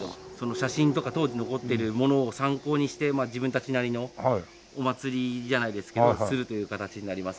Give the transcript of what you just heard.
写真とか当時残ってるものを参考にして自分たちなりのお祭りじゃないですけどするという形になりますね。